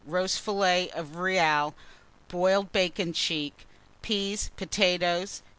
Roast fillet of real, boiled bacon cheek, peas, potatoes.